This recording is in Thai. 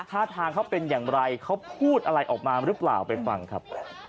ท่าทางเขาเป็นอย่างไรเขาพูดอะไรออกมาหรือเปล่าไปฟังครับ